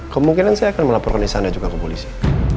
kemungkinan saya akan melaporkan isi anda juga ke polisi